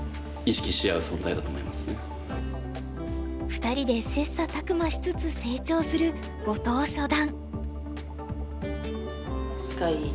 ２人で切磋琢磨しつつ成長する後藤初段。